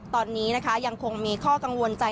ตอนนี้นะคะยังคงมีข้อกังวลใจ